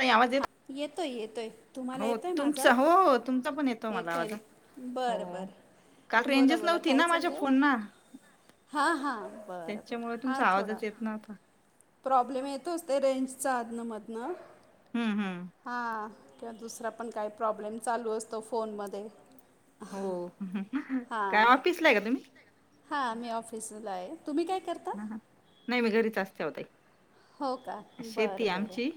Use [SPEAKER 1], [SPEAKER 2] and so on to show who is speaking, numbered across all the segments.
[SPEAKER 1] ताई आवाज येत
[SPEAKER 2] हा. येतोय येतोय. तुम्हाला
[SPEAKER 1] हो
[SPEAKER 2] येतोय माझा?
[SPEAKER 1] तुमचा हो तुमचा पण येतो मला
[SPEAKER 2] येतोय
[SPEAKER 1] आवाज
[SPEAKER 2] ना? बरं,
[SPEAKER 1] हो. काल
[SPEAKER 2] बरं बोला,
[SPEAKER 1] रेंजच
[SPEAKER 2] बोला
[SPEAKER 1] नव्हती
[SPEAKER 2] काय
[SPEAKER 1] ना माझ्या
[SPEAKER 2] चाललंय?
[SPEAKER 1] फोनना
[SPEAKER 2] हा हा बर
[SPEAKER 1] त्याच्यामुळे
[SPEAKER 2] हा
[SPEAKER 1] तुमचा
[SPEAKER 2] थोडा.
[SPEAKER 1] आवाजच येत नव्हता.
[SPEAKER 2] प्रॉब्लेम येतोच ते रेंजचा आधण, मधन.
[SPEAKER 1] हम्म, हम्म.
[SPEAKER 2] हा किंवा दुसरा पण काही प्रॉब्लेम चालू असतो फोनमध्ये.
[SPEAKER 1] हो काय ऑफिसलाय का तुम्ही?
[SPEAKER 2] हा मी ऑफिसला आहे, तुम्ही काय करता?
[SPEAKER 1] हा ना नाही मी घरीच असते हो ताई
[SPEAKER 2] हो का
[SPEAKER 1] शेती
[SPEAKER 2] बरं
[SPEAKER 1] आहे
[SPEAKER 2] बरं
[SPEAKER 1] आमची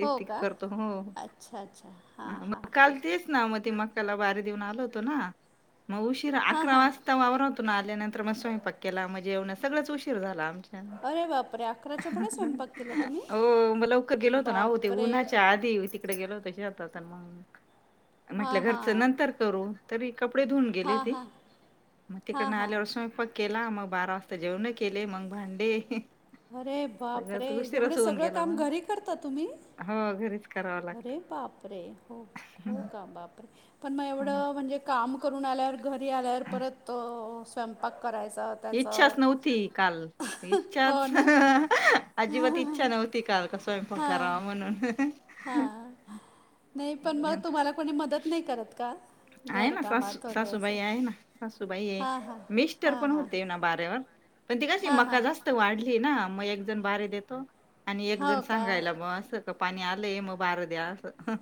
[SPEAKER 2] हो का
[SPEAKER 1] करतो हो
[SPEAKER 2] अच्छा अच्छा
[SPEAKER 1] हा
[SPEAKER 2] हां हां
[SPEAKER 1] मग
[SPEAKER 2] हां
[SPEAKER 1] काल तेच मग ते मकाला बारी देऊन आलो होतो ना मग उशीरा
[SPEAKER 2] हां
[SPEAKER 1] अकरा
[SPEAKER 2] हां
[SPEAKER 1] वाजता ता वावरातून आल्या नंतर मग स्वयंपाक केला मग जेवण सगळच उशीर झाला आम
[SPEAKER 2] अरे बापरे अकराच्या पुढे स्वयंपाक केला तुम्ही
[SPEAKER 1] हो म लवकर गेलो होतो ते
[SPEAKER 2] बापरे
[SPEAKER 1] उन्हाच्या आधी तिकडे गेलो होतो शेतात मग
[SPEAKER 2] हां
[SPEAKER 1] म्हटलं घरचं
[SPEAKER 2] हां.
[SPEAKER 1] नंतर करू. तरी कपडे धुऊन गेले
[SPEAKER 2] हां,
[SPEAKER 1] ती
[SPEAKER 2] हां.
[SPEAKER 1] मग
[SPEAKER 2] हां,
[SPEAKER 1] तिकडन
[SPEAKER 2] हां.
[SPEAKER 1] आल्यावर स्वयंपाक केला मग बारा वाजता तर जेवण केले मग भांडे
[SPEAKER 2] अरे बाप रे
[SPEAKER 1] सगळंच
[SPEAKER 2] एवढे सगळं काम घरी करता तुम्ही?
[SPEAKER 1] हा घरीच. करावं लागतं
[SPEAKER 2] अरे बाप रे, हो हो का बापरे पण मग
[SPEAKER 1] हं.
[SPEAKER 2] एवढं म्हणजे काम करून आल्यावर घरी आल्यावर परत स्वयंपाक करायचा. त्याचं
[SPEAKER 1] इच्छाच नव्हती काल.
[SPEAKER 2] हो
[SPEAKER 1] इच्छाच
[SPEAKER 2] ना?
[SPEAKER 1] अजिबात इच्छा
[SPEAKER 2] हां,
[SPEAKER 1] नव्हती काल तर स्वयंपाक करावा म्हणून.
[SPEAKER 2] हां नाही पण मग तुम्हाला कोणी मदत नाही करत का?
[SPEAKER 1] आहे ना सासू,
[SPEAKER 2] घरकामात वगैरे
[SPEAKER 1] सासू
[SPEAKER 2] असं?
[SPEAKER 1] बाई आहे ना. सासूबाई आहे,
[SPEAKER 2] हां, हां.
[SPEAKER 1] मिस्टर
[SPEAKER 2] हां,
[SPEAKER 1] पण
[SPEAKER 2] हां.
[SPEAKER 1] होते ना बाऱ्यावर पण ती कशी
[SPEAKER 2] हां, हां.
[SPEAKER 1] मका जास वाढली ना मग एक जण बारी देतो आणि एक
[SPEAKER 2] हो
[SPEAKER 1] जण
[SPEAKER 2] का?
[SPEAKER 1] सांगायला बस का पाणी आलंय मग बार दया असं.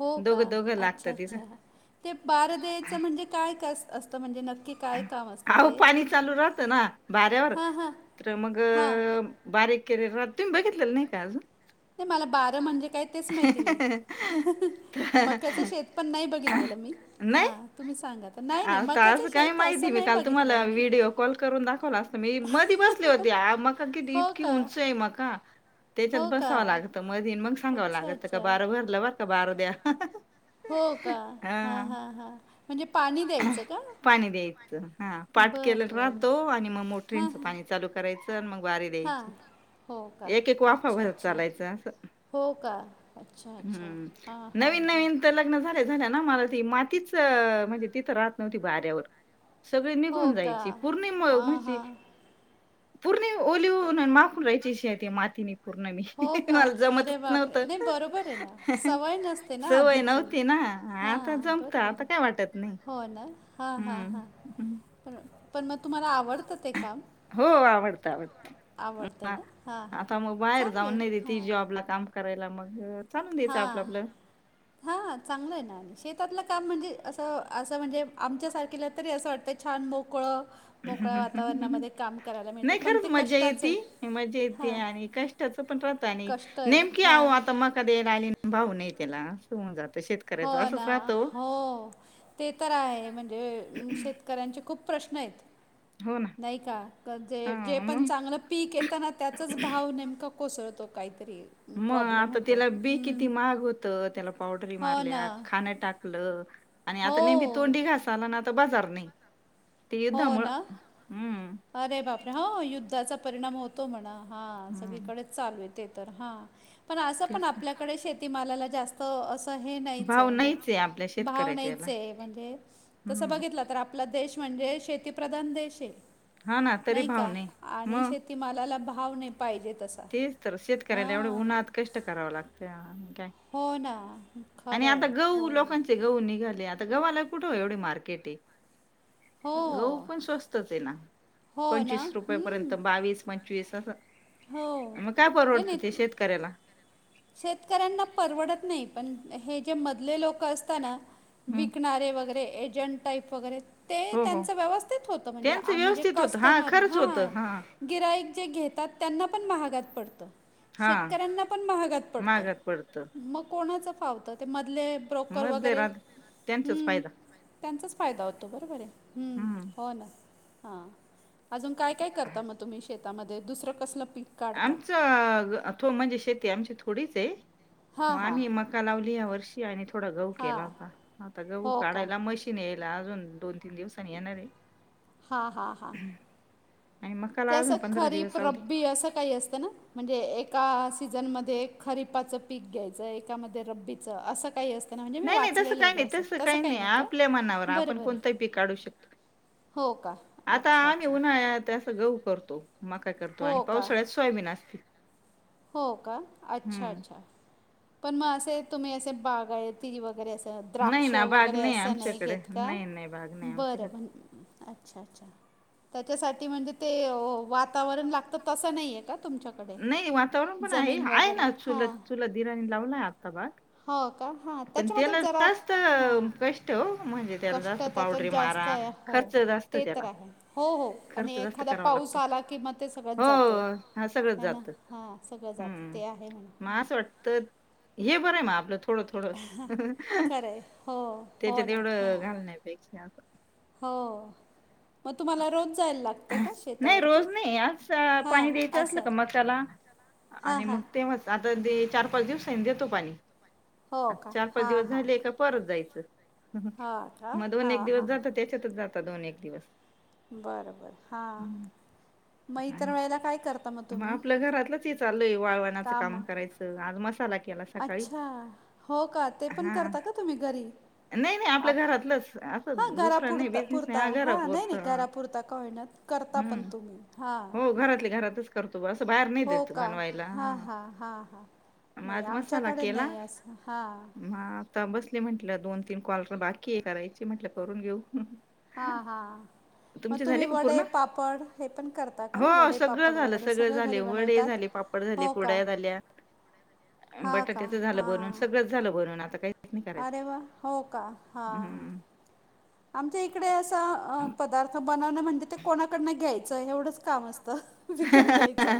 [SPEAKER 2] हो का,
[SPEAKER 1] दोघं दोघं लागतं
[SPEAKER 2] अच्छा,
[SPEAKER 1] तिथं.
[SPEAKER 2] अच्छा. ते बारं द्यायचं म्हणजे काय क असतं म्हणजे नक्कीच?
[SPEAKER 1] आहो पाणी चालू राहतं ना बाऱ्यावर
[SPEAKER 2] हां, हां.
[SPEAKER 1] तर मग
[SPEAKER 2] हां.
[SPEAKER 1] बारीक केले राहत, तुम्ही बघितलेलं नाही का अजून?
[SPEAKER 2] नाही मला बारं म्हणजे काय तेच माहिती नाही? मक्याच शेत पण नाही बघितलेलं मी हा
[SPEAKER 1] नाही?
[SPEAKER 2] तुम्ही सांगा. नाही, नाही
[SPEAKER 1] आता
[SPEAKER 2] मक्याचं
[SPEAKER 1] असं काही
[SPEAKER 2] शेत
[SPEAKER 1] माहिती?
[SPEAKER 2] असं
[SPEAKER 1] मी
[SPEAKER 2] नाही
[SPEAKER 1] काल
[SPEAKER 2] बघितलंय
[SPEAKER 1] तुम्हाला
[SPEAKER 2] मी.
[SPEAKER 1] व्हिडिओ कॉल करून दाखवला असता मी मधी बसले होती मग कारण की
[SPEAKER 2] हो
[SPEAKER 1] इतकी
[SPEAKER 2] का?
[SPEAKER 1] उंच आहे मका त्याच्यात
[SPEAKER 2] हो का?
[SPEAKER 1] बसावं लागत मधी मग सांगावं
[SPEAKER 2] अच्छा,
[SPEAKER 1] लागत का
[SPEAKER 2] अच्छा.
[SPEAKER 1] बारं भरलं बर का बारं द्या.
[SPEAKER 2] हो का, हा हां हां म्हणजे पाणी द्यायचं का?
[SPEAKER 1] पाणी द्यायचं हां पाठ केलं
[SPEAKER 2] बरं, बरं.
[SPEAKER 1] राहतो आणि मग
[SPEAKER 2] हां,
[SPEAKER 1] मोटरींचं
[SPEAKER 2] हां.
[SPEAKER 1] पाणी चालू करायचं आणि मग बारी
[SPEAKER 2] हां.
[SPEAKER 1] द्यायची
[SPEAKER 2] हो का?
[SPEAKER 1] एक, एक वाफा
[SPEAKER 2] अच्छा,
[SPEAKER 1] भरत
[SPEAKER 2] अच्छा.
[SPEAKER 1] चालायच असं.
[SPEAKER 2] हो का, अच्छा अच्छा,
[SPEAKER 1] हम्म.
[SPEAKER 2] हां हां
[SPEAKER 1] नवीन
[SPEAKER 2] हां.
[SPEAKER 1] नवीन तर लग्न झाल्या, झाल्या ना मला ती मातीच म्हणजे तिथं राहत नव्हती बाऱ्यावर. सगळी
[SPEAKER 2] हो
[SPEAKER 1] निघून
[SPEAKER 2] का?
[SPEAKER 1] जायची पूर्ण
[SPEAKER 2] हां,
[SPEAKER 1] म्हणजी
[SPEAKER 2] हां.
[SPEAKER 1] पूर्ण ओली होऊन आणि माकून रहायची शेती मातीनी पूर्ण मी
[SPEAKER 2] हो का?
[SPEAKER 1] मला जमतच
[SPEAKER 2] अरे बापरे!
[SPEAKER 1] नव्हत
[SPEAKER 2] नाही बरोबर आहे ना. सवय नसते ना
[SPEAKER 1] सवय
[SPEAKER 2] आधीची.
[SPEAKER 1] नव्हती ना. हा आता
[SPEAKER 2] हां,
[SPEAKER 1] जमत
[SPEAKER 2] बरोबर
[SPEAKER 1] आता
[SPEAKER 2] आहे.
[SPEAKER 1] काय वाटत नाही.
[SPEAKER 2] हो ना? हां हां
[SPEAKER 1] हम्म.
[SPEAKER 2] हां पण, पण मग तुम्हाला आवड
[SPEAKER 1] हो आवडतं, आवडतं
[SPEAKER 2] ना? हां, हां.
[SPEAKER 1] आता मग बाहेर
[SPEAKER 2] चांगलं
[SPEAKER 1] जाऊन नाही
[SPEAKER 2] आहे.
[SPEAKER 1] देती
[SPEAKER 2] हां.
[SPEAKER 1] जॉब ला काम करायला मग चालून द्यायचं आपलं
[SPEAKER 2] हां
[SPEAKER 1] आपलं
[SPEAKER 2] हा चांगलं आहे ना आणि शेतातलं काम म्हणजे असं असं म्हणजे आमच्या सारखीला तरी असं वाटतं छान मोकळं मोकळ्या वातावरणामध्ये काम करायला मिळतं.
[SPEAKER 1] नाही
[SPEAKER 2] पण
[SPEAKER 1] खरंच
[SPEAKER 2] ते
[SPEAKER 1] मज्जा
[SPEAKER 2] कष्टाचं
[SPEAKER 1] येती,
[SPEAKER 2] आहे.
[SPEAKER 1] मज्जा येती
[SPEAKER 2] हां,
[SPEAKER 1] आणि क ष्टाचं पण थोडं प्लॅन आहे..
[SPEAKER 2] कष्ट
[SPEAKER 1] नेमकी आहो
[SPEAKER 2] हां.
[SPEAKER 1] आता मका द्यायला आली आणि भाव नाही त्याला सून जाते शेत
[SPEAKER 2] हो ना हो ते तर आहे म्हणजे शेत कऱ्यांचे खूप प्रश्न आहेत.
[SPEAKER 1] हो ना
[SPEAKER 2] नाही का?
[SPEAKER 1] हा
[SPEAKER 2] जे जे पण
[SPEAKER 1] मग
[SPEAKER 2] चांगलं पीक येतं ना त्याचच भाव नेमकं कोसळतो काहीतरी.
[SPEAKER 1] मग
[SPEAKER 2] प्रॉब्लेम
[SPEAKER 1] आता
[SPEAKER 2] होतो.
[SPEAKER 1] तिला बी
[SPEAKER 2] हं.
[SPEAKER 1] किती महाग हो त त्याला पावडरी
[SPEAKER 2] हो ना.
[SPEAKER 1] मारल्या, खाणं टाकल आणि आता
[SPEAKER 2] हो.
[SPEAKER 1] नेमकी तोंडी घास आला ना आता बाजार नाही ते
[SPEAKER 2] हो
[SPEAKER 1] युद्धामुळं.
[SPEAKER 2] ना.
[SPEAKER 1] हम्म
[SPEAKER 2] अरे बापरे! हो युद्धाचा परिणाम होतो म्हणा हा
[SPEAKER 1] हम्म
[SPEAKER 2] सगळीकडेच चालू आहे. ते तर हा पण असं
[SPEAKER 1] तेच
[SPEAKER 2] पण
[SPEAKER 1] ना
[SPEAKER 2] आपल्याकडे शेती मालाला जास्त असं हे नाहीचय
[SPEAKER 1] भाव
[SPEAKER 2] म्हणजे
[SPEAKER 1] नाहीच आहे आपल्या
[SPEAKER 2] भाव
[SPEAKER 1] शेतकऱ्याच्या याला
[SPEAKER 2] नाहीचय म्हणजे तसं
[SPEAKER 1] हम्म
[SPEAKER 2] बघितलं तर आपला देश म्हणजे शेती प्रधान देश आहे.
[SPEAKER 1] हा ना तरी
[SPEAKER 2] नाही
[SPEAKER 1] भाव
[SPEAKER 2] का? आणि शेत
[SPEAKER 1] मग
[SPEAKER 2] शेती मलाला भाव नाही पाहिजेत
[SPEAKER 1] तेच तर शेतकऱ्याला एवढं उन्हात कष्ट करावं लागतं काय
[SPEAKER 2] हो ना खरं
[SPEAKER 1] आणि आता
[SPEAKER 2] आहे.
[SPEAKER 1] गहू
[SPEAKER 2] हो.
[SPEAKER 1] लोकांचे गहू निघाले आता गव्हाला कुठे एवढे मार्केट आहे. गहू
[SPEAKER 2] हो.
[SPEAKER 1] पण स्वस्तच आहे ना
[SPEAKER 2] हो ना.
[SPEAKER 1] पंचवीस रुपय पर्यंत
[SPEAKER 2] हं.
[SPEAKER 1] बावीस पंचवीस असा
[SPEAKER 2] हो.
[SPEAKER 1] मग काय
[SPEAKER 2] नाही,
[SPEAKER 1] परवडतं
[SPEAKER 2] नाही.
[SPEAKER 1] त्या शेतकऱ्यांला
[SPEAKER 2] शेतकऱ्यांना परवडत नाही पण हे जे मधले लोक असता ना
[SPEAKER 1] हम्म
[SPEAKER 2] विकणारे वगैरे एजंट टाईप वगैरे ते
[SPEAKER 1] हो हो
[SPEAKER 2] त्यांच व्यवस्थित होत म्हणजे
[SPEAKER 1] त्यांचं
[SPEAKER 2] आम्ही जे
[SPEAKER 1] व्यवस्थित होतं हा
[SPEAKER 2] कस्टमर
[SPEAKER 1] खरंच होतं
[SPEAKER 2] हा गिराईक जे घेतात त्यांना पण महागात पडतं शेतकऱ्यांना पण महागात पडतं
[SPEAKER 1] महागात पडतं
[SPEAKER 2] मग कोणाचं फावतं ते मधले ब्रोकर
[SPEAKER 1] मधले
[SPEAKER 2] वगैरे
[SPEAKER 1] राहत त्यांचाच
[SPEAKER 2] हम्म
[SPEAKER 1] फायदा
[SPEAKER 2] त्यांचाच फायदा होतो बरोबर आहे हम्म हो ना. हां अजून काय काय करता मग तुम्ही शेतामध्ये दुसरं कसलं पीक? काढता
[SPEAKER 1] आमच तो म्हणजे शेती आमची थोडीच आहे
[SPEAKER 2] हां
[SPEAKER 1] मग
[SPEAKER 2] हां
[SPEAKER 1] आम्ही मग मका लावली या वर्षी आणि थोडा गहू केला
[SPEAKER 2] हां
[SPEAKER 1] होता आता गहू
[SPEAKER 2] हो का
[SPEAKER 1] काढायला मशी- न यायला अजून दोन तीन दिवसांनी येणारे
[SPEAKER 2] हा हा हा
[SPEAKER 1] आणि
[SPEAKER 2] ते
[SPEAKER 1] मकाला
[SPEAKER 2] असं
[SPEAKER 1] अजून पंधरा
[SPEAKER 2] खरीप
[SPEAKER 1] दिवस अवधी
[SPEAKER 2] रब्बी असं काही असतं ना. म्हणजे एका सीझनमध्ये खरीपाचं पीक घ्यायचं एकामध्ये रब्बीचं असं काही असतं. ना म्हणजे मी
[SPEAKER 1] नाही नाही तसं
[SPEAKER 2] वाचलेलं आहे
[SPEAKER 1] काही
[SPEAKER 2] बा
[SPEAKER 1] नाही
[SPEAKER 2] असं
[SPEAKER 1] तसं काही नाही
[SPEAKER 2] का
[SPEAKER 1] आपल्या मनावर
[SPEAKER 2] बरं
[SPEAKER 1] आपण
[SPEAKER 2] बरं
[SPEAKER 1] कोणतंही पीक काढू शकतो.
[SPEAKER 2] हो का
[SPEAKER 1] आता
[SPEAKER 2] अच्छा
[SPEAKER 1] आम्ही
[SPEAKER 2] अच्छा
[SPEAKER 1] उन्हाळ्यात कस फक्त गहु करतो मका करतो आणि
[SPEAKER 2] हो का
[SPEAKER 1] पावसाळ्यात सोयाबीन असती.
[SPEAKER 2] हो का अच्छा अच्छा पण मग असे तुम्ही असे बागायती आहे त वगैरे असं तर
[SPEAKER 1] नाही
[SPEAKER 2] द्राक्ष
[SPEAKER 1] ना बाग
[SPEAKER 2] वगैरे असं नाही
[SPEAKER 1] आमच्याकडे
[SPEAKER 2] घेत का
[SPEAKER 1] नाही नाही बाग नाही
[SPEAKER 2] बरं
[SPEAKER 1] आमच्याकडे
[SPEAKER 2] बरं अच्छा अच्छा त्याच्यासाठी म्हणजे ते वातावरण लागतं. तसं नाही आहे का तुमच्याकडे
[SPEAKER 1] नाही वातावरण पण आहे,
[SPEAKER 2] जमीन
[SPEAKER 1] आहे
[SPEAKER 2] वगैरे
[SPEAKER 1] ना चुलात,
[SPEAKER 2] हां
[SPEAKER 1] चुलत दिराणी लावला आता भात.
[SPEAKER 2] हो का हा त्याच्यामध्ये जरा हा
[SPEAKER 1] कष्ट हो म्हणजे त्याला
[SPEAKER 2] कष्ट
[SPEAKER 1] जास्त
[SPEAKER 2] त्याच्यात
[SPEAKER 1] पावडरी मारा
[SPEAKER 2] जास्त आहे. हो
[SPEAKER 1] खर्च जास्त
[SPEAKER 2] ते तर
[SPEAKER 1] त्याला
[SPEAKER 2] आहे हो हो. आणि
[SPEAKER 1] खर्च जास्त
[SPEAKER 2] एखादा
[SPEAKER 1] करावा
[SPEAKER 2] पाऊस
[SPEAKER 1] लागतो
[SPEAKER 2] आला कि म ते सगळंत
[SPEAKER 1] हो
[SPEAKER 2] जात
[SPEAKER 1] हा सगळंच
[SPEAKER 2] ह ना
[SPEAKER 1] जात
[SPEAKER 2] हो. सगळं जात
[SPEAKER 1] हम्म
[SPEAKER 2] ते आहे म्हणा.
[SPEAKER 1] मग असं वाटत हे बरं आहे म आपलं. थोडं, थोडं
[SPEAKER 2] खरं आहे हो हो
[SPEAKER 1] त्याच्यात
[SPEAKER 2] ना
[SPEAKER 1] तेवढं
[SPEAKER 2] हां.
[SPEAKER 1] घालण्यापेक्षा अस.
[SPEAKER 2] हो. मग तुम्हाला रोज जायला लागतं का
[SPEAKER 1] नाही
[SPEAKER 2] शेतावरती?
[SPEAKER 1] रोज नाही आज अं,
[SPEAKER 2] हां
[SPEAKER 1] पाणी द्यायचं असलं
[SPEAKER 2] असं.
[SPEAKER 1] का मग त्याला
[SPEAKER 2] हां
[SPEAKER 1] आणि मग
[SPEAKER 2] हां
[SPEAKER 1] तेव्हाच आता ते चार, पाच दिवस आहे देतो पाणी.
[SPEAKER 2] हो का
[SPEAKER 1] चार, पाच
[SPEAKER 2] हां
[SPEAKER 1] दिवस
[SPEAKER 2] हां
[SPEAKER 1] झाले का परत जायचं
[SPEAKER 2] हां का
[SPEAKER 1] म दोन,
[SPEAKER 2] हां
[SPEAKER 1] एक दिवस
[SPEAKER 2] हां
[SPEAKER 1] जातात त्या- त्याच्यातच जात दोन, एक दिवस.
[SPEAKER 2] बर बर हा
[SPEAKER 1] आणि
[SPEAKER 2] मग इतर वेळेला काय करता मग?
[SPEAKER 1] मग
[SPEAKER 2] तुम्ही
[SPEAKER 1] आपल्या घरातलंच हे चालुय वाळवणाचं काम
[SPEAKER 2] कामं
[SPEAKER 1] करायचं आज मसाला केला सकाळी
[SPEAKER 2] अच्छा हो का ते पण
[SPEAKER 1] हा
[SPEAKER 2] करता का तुम्ही घरी?
[SPEAKER 1] नाही नाही आपल्या घरातलंच
[SPEAKER 2] हा
[SPEAKER 1] असं दुसरा नाही बिझनेस नाही
[SPEAKER 2] घरापुरता हा नाही,
[SPEAKER 1] घरापुरत
[SPEAKER 2] नाही घरापुरता का होईना. करता पण
[SPEAKER 1] हम्म
[SPEAKER 2] तुम्ही हा.
[SPEAKER 1] त असं बाहेर नाही देत बनवायला ह.
[SPEAKER 2] हां हां हां
[SPEAKER 1] म
[SPEAKER 2] नाही
[SPEAKER 1] आज मसाला
[SPEAKER 2] आमच्याकडे
[SPEAKER 1] केला
[SPEAKER 2] नाही असं हां
[SPEAKER 1] म आता बसले म्हटलं दोन, तीन कॉल बाकी करायची म्हंटलं करून घेऊ.
[SPEAKER 2] हा हा
[SPEAKER 1] तुमचे
[SPEAKER 2] तुम्ही
[SPEAKER 1] झाले का
[SPEAKER 2] वडे,
[SPEAKER 1] पूर्ण
[SPEAKER 2] पापड हे पण करता का
[SPEAKER 1] हो,
[SPEAKER 2] वडे,
[SPEAKER 1] सगळं
[SPEAKER 2] पापड
[SPEAKER 1] झालं,
[SPEAKER 2] वगैरे अ?
[SPEAKER 1] सगळं झाले पापड झाले, कुडाळ्या झाल्या,
[SPEAKER 2] हा का
[SPEAKER 1] बटाट्याचे झालं बनवून
[SPEAKER 2] हां
[SPEAKER 1] सगळं सगळं झालं भरून आता काय?
[SPEAKER 2] अरे वा हो का हा.
[SPEAKER 1] हं.
[SPEAKER 2] आमच्या इकडे असं पदार्थ बनवणं म्हणजे ते कोणाकडन घ्यायचं एवढंच काम असतं. विकत घ्यायचं.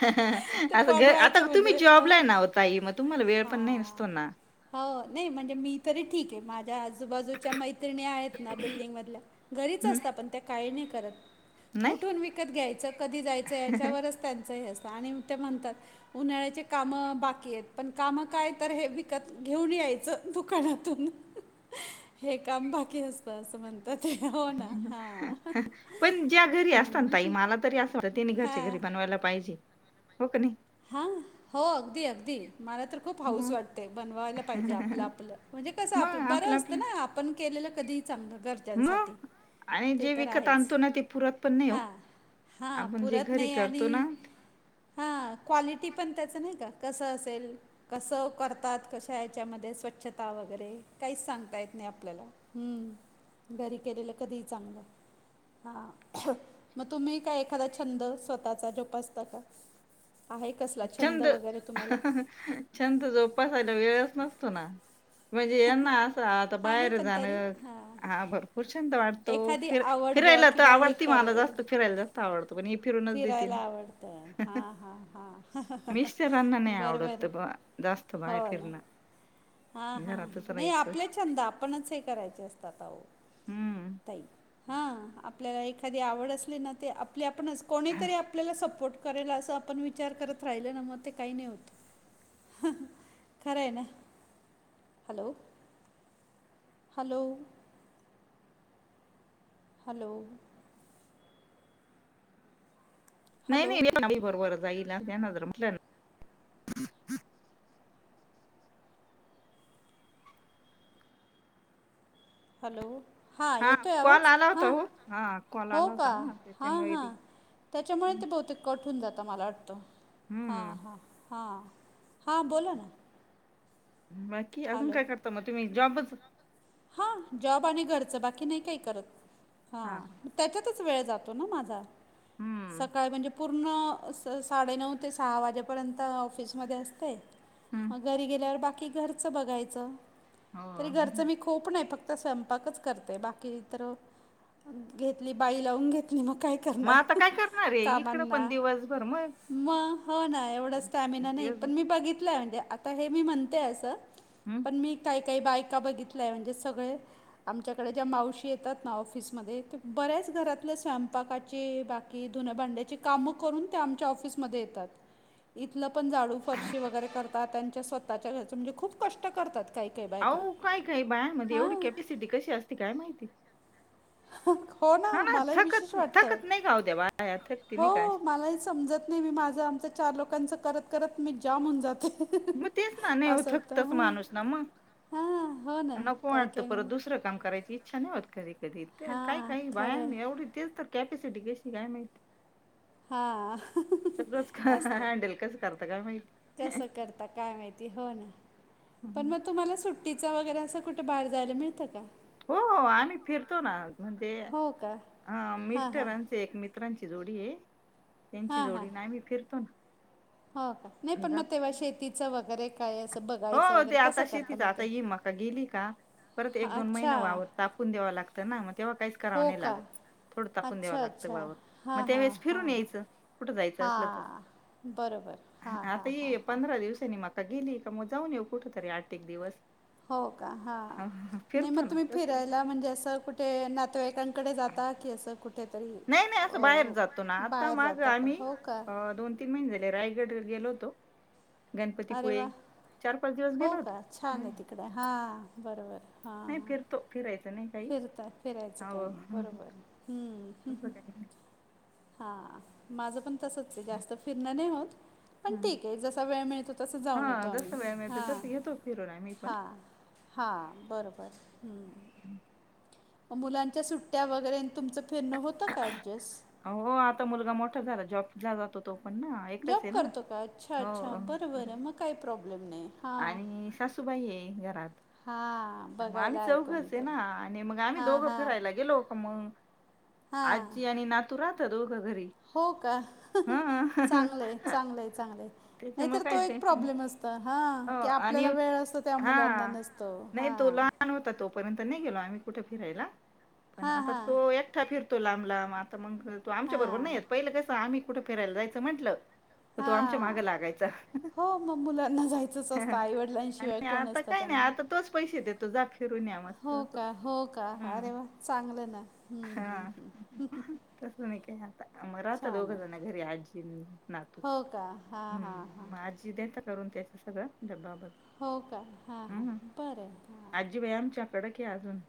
[SPEAKER 1] अ ह ह
[SPEAKER 2] ते
[SPEAKER 1] असं आता
[SPEAKER 2] बनवायचं
[SPEAKER 1] तुम्ही
[SPEAKER 2] म्हणजे
[SPEAKER 1] जॉबला आहे
[SPEAKER 2] अ
[SPEAKER 1] ना वो ताई मग तुम्हाला वेळ पण नाही
[SPEAKER 2] हा.
[SPEAKER 1] नसतो ना?
[SPEAKER 2] हो नाही म्हणजे मी तरी ठीक आहे माझ्या आजूबाजूच्या मै त्रिणी आहेत ना बिल्डिंग मधल्या घरीच
[SPEAKER 1] हं,
[SPEAKER 2] असतात पण त्या काही नाही करत.
[SPEAKER 1] नाही.
[SPEAKER 2] कुठून विकत घ्यायचं कधी जायचं याच्यावरच त्यांचं हे असतं आणि ते म्हणतात उन्हाळ्याचे काम बाकी आहेत पण काम काय तर हे विकत घेऊन यायचं दुकानातून.
[SPEAKER 1] [inaudible]
[SPEAKER 2] हे काम बाकी असत बसं म्हणत ते हो ना हा हम्म.
[SPEAKER 1] थोडं तेनी घरच्या घरी
[SPEAKER 2] हा.
[SPEAKER 1] बनवायला पाहिजे, हो क नाई?
[SPEAKER 2] हा हो अगदी, अगदी मला तर खूप हाऊस
[SPEAKER 1] मग
[SPEAKER 2] वाटतेय बनवायला पाहिजे आपलं, आपलं. म्हणजे कसं
[SPEAKER 1] मग
[SPEAKER 2] आपलं बरं असतं
[SPEAKER 1] आपलं
[SPEAKER 2] ना आपण केलेलं कधी चांगलं घर
[SPEAKER 1] मग
[SPEAKER 2] घरच्यांसाठी
[SPEAKER 1] आणि
[SPEAKER 2] ते
[SPEAKER 1] जे
[SPEAKER 2] तर
[SPEAKER 1] विकत
[SPEAKER 2] आहेच
[SPEAKER 1] आणतो ना, ते पुरत पण नाही हो.
[SPEAKER 2] हा. हा
[SPEAKER 1] आपण जे
[SPEAKER 2] पुरत
[SPEAKER 1] घरी
[SPEAKER 2] नाही आणि
[SPEAKER 1] करतो ना
[SPEAKER 2] हां क्वालिटी पण त्याचं नाही का कसं असेल कसं करतात कशा याच्यामध्ये स्वच्छता वगैरे काहीच सांगता येत नाही आपल्याला. हम्म, घरी केलेलं कधीही चांगलं. हा, मग तुम्ही काय एखादा छंद स्वतःचा जोपासता का? आहे कसला छंद वगैरे तुम्हाला?
[SPEAKER 1] छंद जोपासयला वेळच नसतो ना. म्हणजे यांना असा आता
[SPEAKER 2] हा नाही
[SPEAKER 1] बाहेर
[SPEAKER 2] पण
[SPEAKER 1] जाण
[SPEAKER 2] तरी
[SPEAKER 1] हा बर खूप छंद वाटतो
[SPEAKER 2] एखादी
[SPEAKER 1] फिर
[SPEAKER 2] आवड ब
[SPEAKER 1] फिरायला तर
[SPEAKER 2] किंवा हे
[SPEAKER 1] आवडती मला
[SPEAKER 2] करेल
[SPEAKER 1] जास्त फिरायला जास्त आवडत पण फिरूनच देते.
[SPEAKER 2] हां हां हां.
[SPEAKER 1] मिस्टरांना नाही
[SPEAKER 2] बर बर
[SPEAKER 1] आवडत बा जास्त बाहेर
[SPEAKER 2] होय.
[SPEAKER 1] फिरणं.
[SPEAKER 2] हां हां
[SPEAKER 1] घरातच
[SPEAKER 2] नाही
[SPEAKER 1] राहायचं
[SPEAKER 2] आपले छंद आपणच हे करायचे असतात आहो.
[SPEAKER 1] हम्म.
[SPEAKER 2] ताई हां आपल्याला एखादी आवड असली ना ते आपली आपणच कोणीतरी आपल्याला सपोर्ट करेल अस आपण विचार करत राहिल ना मग ते काही नाही होत. खरय ना हॅलो हॅलो हॅलो
[SPEAKER 1] नाही
[SPEAKER 2] हॅलो
[SPEAKER 1] नाही हे पण अगदी बरोबर जाईल आमच्या ह्यांना जर म्हंटल ना
[SPEAKER 2] हॅलो हा येतोय
[SPEAKER 1] कॉल
[SPEAKER 2] आवाज?
[SPEAKER 1] आला होता
[SPEAKER 2] हा
[SPEAKER 1] हो हा कॉल
[SPEAKER 2] हो
[SPEAKER 1] आला
[SPEAKER 2] का
[SPEAKER 1] होता ना
[SPEAKER 2] हां
[SPEAKER 1] त्याच्यामुळे ते
[SPEAKER 2] हां त्याच्यामुळे ते बहुतेक कट होऊन जात मला वाटत हां
[SPEAKER 1] हम्म.
[SPEAKER 2] हां हां हां बोला ना.
[SPEAKER 1] बाकी अजून
[SPEAKER 2] हॅलो
[SPEAKER 1] काय करता मग तुम्ही जॉबच?
[SPEAKER 2] हां जॉब आणि घरच बाकी नाही काही करत
[SPEAKER 1] हा हा.
[SPEAKER 2] हां. त्याच्यातच वेळ जातो ना माझा
[SPEAKER 1] हम्म
[SPEAKER 2] सकाळी म्हणजे पूर्ण साडेनऊ ते सहा वाजेपर्यंत ऑफिसमध्ये असते.
[SPEAKER 1] हम्म
[SPEAKER 2] मग घरी गेल्यावर बाकी घरच बघायच तरी
[SPEAKER 1] हो.
[SPEAKER 2] घरच मी खु खूप नाही फक्त स्वयंपाकच करते बाकीतर घेतली बाई लावून घेतली मग काय.
[SPEAKER 1] मग आता
[SPEAKER 2] करणार
[SPEAKER 1] काय करणार ये इकड पण
[SPEAKER 2] कामांना
[SPEAKER 1] दिवसभर मग
[SPEAKER 2] मग हो ना एवढा स्टॅमिना नाही
[SPEAKER 1] दिवसभर
[SPEAKER 2] पण मी बघितलय म्हणजे आता मी हे म्हणते अस.
[SPEAKER 1] हम्म
[SPEAKER 2] मी काही काही बायका बघितल्याय म्हणजे सगळे आमच्याकडे ज्या मावशी येतात ना ऑफिसमध्ये ते बऱ्याच घरातल्या स्वयंपाकाचे बाकी की धुण्या भांड्याची काम करून त्या आमच्या ऑफिसमध्ये येतात. इथल पण झाडू फरशी वगैरे करतात त्यांच्या स्वतःच्या घरच म्हणजे खूप कष्ट करतात काही. काही बायका.
[SPEAKER 1] अहो काही काही बायांमध्ये एवढी
[SPEAKER 2] हां
[SPEAKER 1] कॅपॅसिटी कशी असते काय माहिती? हो ना
[SPEAKER 2] मलाही विशेष
[SPEAKER 1] थकत
[SPEAKER 2] वाटतं.
[SPEAKER 1] थकत नाही का ओ त्या बाया थकती नाही का
[SPEAKER 2] हो
[SPEAKER 1] अशा.
[SPEAKER 2] मलाही समजत नाही मी माझ आमच चार लोकांच करत करत मी जाम होऊन जाते.
[SPEAKER 1] मग तेच ना नाही हो
[SPEAKER 2] असं वाटतं
[SPEAKER 1] थकतस
[SPEAKER 2] हां
[SPEAKER 1] माणूस ना
[SPEAKER 2] हां हो
[SPEAKER 1] मंग
[SPEAKER 2] ना
[SPEAKER 1] नको
[SPEAKER 2] काही
[SPEAKER 1] वाटत
[SPEAKER 2] काही
[SPEAKER 1] परत
[SPEAKER 2] म्हण
[SPEAKER 1] दुसर दुसर काम करायची इच्छा नाही होत कधी कधी काही
[SPEAKER 2] हां
[SPEAKER 1] काही
[SPEAKER 2] खरं आहे
[SPEAKER 1] बायांनी एवढी ते तर कॅपॅसिटी कशी काय माहिती?
[SPEAKER 2] हा
[SPEAKER 1] सगळंच
[SPEAKER 2] असते
[SPEAKER 1] हँडल कसं करतं काय माहिती
[SPEAKER 2] कस करता काय माहित. पण
[SPEAKER 1] हं.
[SPEAKER 2] मग तुम्हाला सुट्टीच वगैरे अस कुठ बाहेर जायला मिळत का?
[SPEAKER 1] हो हो आम्ही फिरतो ना म्हणजे
[SPEAKER 2] हो का हां हां
[SPEAKER 1] मिस्टरा एक मित्रांची जोडी आहे त्यांची
[SPEAKER 2] हां
[SPEAKER 1] जोडी
[SPEAKER 2] हां
[SPEAKER 1] आणि आम्ही फिरतो ना.
[SPEAKER 2] हो का नाही पण
[SPEAKER 1] जातो
[SPEAKER 2] मग तेव्हा शेतीच वगैरे काय अस ब
[SPEAKER 1] हो ते आता शेतीच आता ही मका गेली का परत एक दोन महिना
[SPEAKER 2] अच्छा
[SPEAKER 1] वावर तापून द्यावा लागत ना मग तेव्हा काहीच कराव
[SPEAKER 2] हो
[SPEAKER 1] नाही
[SPEAKER 2] का
[SPEAKER 1] लागत. थोड तापून द्याव
[SPEAKER 2] अच्छा
[SPEAKER 1] लागत
[SPEAKER 2] अच्छा
[SPEAKER 1] वावर
[SPEAKER 2] हां
[SPEAKER 1] मग
[SPEAKER 2] हां
[SPEAKER 1] त्यावेेळेस
[SPEAKER 2] हां
[SPEAKER 1] फिरून
[SPEAKER 2] हां
[SPEAKER 1] यायच कुठ जायच असल तर.
[SPEAKER 2] हां बरोबर हां हां हां
[SPEAKER 1] आता
[SPEAKER 2] हां
[SPEAKER 1] पंधरा दिवसनी गेली का मग जाऊन येऊ कुठ तरी आठ एक दिवस
[SPEAKER 2] हो का हा नाही मग
[SPEAKER 1] फिरतो ना
[SPEAKER 2] तुम्ही
[SPEAKER 1] तसं नाही काही.
[SPEAKER 2] फिरायला म्हणजे असं कुठ ते नातेवाईकांकडे जाता की असं कुठं
[SPEAKER 1] नाही नाही असं बाहेर जातो ना आता
[SPEAKER 2] बाहेर जाता का
[SPEAKER 1] आम्ही
[SPEAKER 2] हो का
[SPEAKER 1] दोन तन तीन महिने झाले रायगड गेलो होतो
[SPEAKER 2] अरे
[SPEAKER 1] गणपतीपुळे
[SPEAKER 2] वा
[SPEAKER 1] चार पाच दिवस गेलो होतो हम्म
[SPEAKER 2] इकडे हां बरोबर हां हां
[SPEAKER 1] फिरतो, फिरायचं नाही का
[SPEAKER 2] फिरता फिरायचं काही नाही बरोबर हम्म
[SPEAKER 1] कोण बोलताय एक मिनिट
[SPEAKER 2] हा माझं पण तसच जास्त फिरणं नाही होत पण
[SPEAKER 1] हं.
[SPEAKER 2] ठीक आहे जसा वेळ मिळतो तसा जाऊन येतो आम्ही हा
[SPEAKER 1] मी पण
[SPEAKER 2] हां बरोबर मुलांच्या सुट्ट्या वगैरे तुमचं फिरणं होतं का ऍडजस्ट
[SPEAKER 1] हो आता मुलगा मोठा झाला जॉबला जातो तो पण एकच
[SPEAKER 2] जॉब
[SPEAKER 1] आहे ना
[SPEAKER 2] करतो का अच्छा
[SPEAKER 1] हो
[SPEAKER 2] अच्छा बरं बरं मग का प्रॉब्लेम नाही हां
[SPEAKER 1] आणि सासूबाई आहे घरात
[SPEAKER 2] हां
[SPEAKER 1] आम्ही
[SPEAKER 2] बघायला
[SPEAKER 1] चौघंच आहे ना
[SPEAKER 2] कोणीतरी
[SPEAKER 1] आणि मग आम्ही
[SPEAKER 2] हां
[SPEAKER 1] दोघं
[SPEAKER 2] हां
[SPEAKER 1] फिरायला गेलो हो मग
[SPEAKER 2] हां
[SPEAKER 1] आजी आणि नातू राहतात दोघे घरी
[SPEAKER 2] हो का
[SPEAKER 1] हा
[SPEAKER 2] चांगलंय चांगलंय चांगलंय नाही
[SPEAKER 1] त्याच्यामुळे
[SPEAKER 2] तर तो
[SPEAKER 1] काही
[SPEAKER 2] एक
[SPEAKER 1] टेन्शन नाही
[SPEAKER 2] प्रॉब्लेम हा
[SPEAKER 1] हो आणि
[SPEAKER 2] आपल्याला वेळ असतो त्या
[SPEAKER 1] हा
[SPEAKER 2] मुलांना नसतो
[SPEAKER 1] नाही
[SPEAKER 2] हा
[SPEAKER 1] तो लहान होता तो पर्यंत नाही गेलो आम्ही कुठे फिरायला पण
[SPEAKER 2] हां,
[SPEAKER 1] आता
[SPEAKER 2] हां.
[SPEAKER 1] तो एकटा फिरतो लांब लांब मग तू आमच्या बरोबर नाही
[SPEAKER 2] हां.
[SPEAKER 1] येत पहिलं कस आम्ही कुठे फिरायला जायचं म्हटलं तो आमच्या
[SPEAKER 2] हां.
[SPEAKER 1] मागे लागायचा
[SPEAKER 2] हो, मग मुलाना जाय असंच अस्त आईवडलांशिवाय
[SPEAKER 1] आणि
[SPEAKER 2] कोण
[SPEAKER 1] आता
[SPEAKER 2] असत
[SPEAKER 1] काय नाही
[SPEAKER 2] त्यांना.
[SPEAKER 1] आता तोच पैसे देतो जा फिरून या मस्त
[SPEAKER 2] हो
[SPEAKER 1] असं.
[SPEAKER 2] का हो का. का
[SPEAKER 1] हम्म
[SPEAKER 2] अरे वा चांगलं ना. हं, हं,
[SPEAKER 1] हा
[SPEAKER 2] हं.
[SPEAKER 1] तस नाही काय आता म राहता आता
[SPEAKER 2] छान
[SPEAKER 1] दोघं
[SPEAKER 2] आहे.
[SPEAKER 1] जण घरी आजी.
[SPEAKER 2] हो का हा हा हा.
[SPEAKER 1] देेत करून त्यांचं सगळं डबा बदल
[SPEAKER 2] हो का हां हां बरं हा‌
[SPEAKER 1] [unintelligible] आहे की अजून.